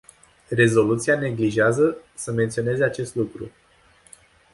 Rezoluția neglijează să menționeze acest lucru.